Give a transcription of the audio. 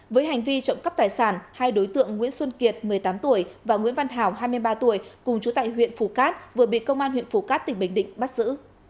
với hành vi trộm cắp tài sản hai đối tượng nguyễn xuân kiệt một mươi tám tuổi và nguyễn văn thảo hai mươi ba tuổi cùng chú tại huyện phù cát vừa bị công an huyện phù cát tỉnh bình định bắt giữ